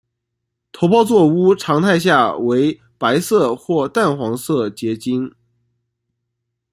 头孢唑肟常态下为白色或淡黄色结晶。